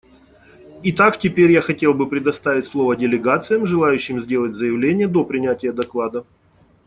Итак, теперь я хотел бы предоставить слово делегациям, желающим сделать заявление до принятия доклада.